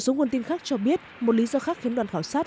nguồn tin khác cho biết một lý do khác khiến đoàn khảo sát